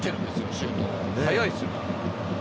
シュート、速いです。